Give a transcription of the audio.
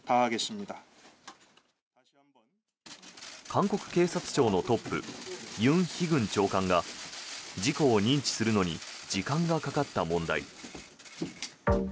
韓国警察庁のトップユン・ヒグン長官が事故を認知するのに時間がかかった問題。